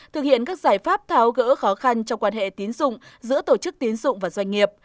thực hiện các giải pháp tháo gỡ khó khăn trong quan hệ tín dụng giữa tổ chức tiến dụng và doanh nghiệp